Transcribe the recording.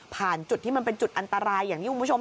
จุดที่มันเป็นจุดอันตรายอย่างที่คุณผู้ชม